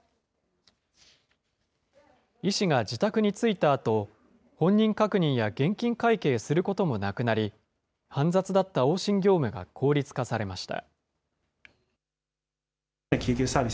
医師が自宅に着いたあと、本人確認や現金会計することもなくなり、煩雑だった往診業務が効率化されました。